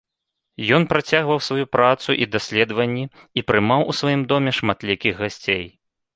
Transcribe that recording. Ён працягваў сваю працу і даследаванні і прымаў у сваім доме шматлікіх гасцей.